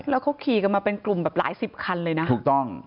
แล้วเขาขี่กันมาเป็นกลุ่มแบบหลายสิบคันเลยนะถูกต้อง